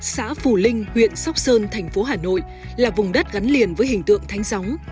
xã phù linh huyện sóc sơn thành phố hà nội là vùng đất gắn liền với hình tượng thánh gióng